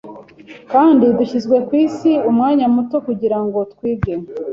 Kandi dushyizwe ku isi umwanya muto Kugira ngo twige